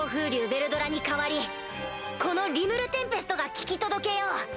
ヴェルドラに代わりこのリムル＝テンペストが聞き届けよう！